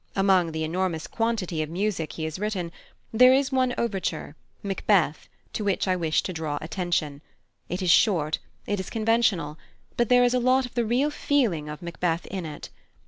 Among the enormous quantity of music he has written there is one overture, "Macbeth," to which I wish to draw attention; it is short, it is conventional, but there is a lot of the real feeling of Macbeth in it.